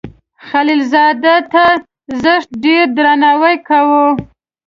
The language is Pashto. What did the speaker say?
خلیل زاده ته زښت ډیر درناوی کاو.